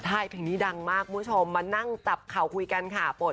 ใช่เพลงนี้ดังมากคุณผู้ชมมานั่งจับเข่าคุยกันค่ะ